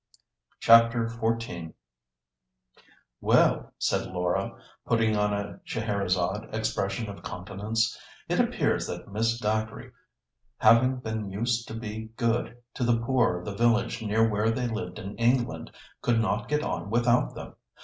CHAPTER XIV "Well," said Laura, putting on a Scheherazade expression of countenance, "it appears that Miss Dacre, having been used to be good to the poor of the village near where they lived in England, could not get on without them.